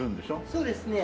そうですね